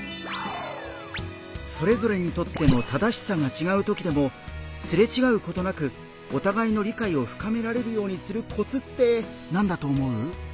それぞれにとっての「正しさ」がちがうときでもすれちがうことなくお互いの理解を深められるようにするコツって何だと思う？